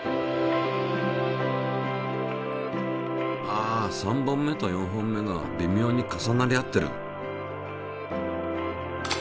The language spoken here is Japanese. あ３本目と４本目がびみょうに重なり合ってる。